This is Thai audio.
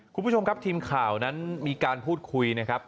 คุณผู้ชมครับทีมข่าวนั้นมีการพูดคุยนะครับ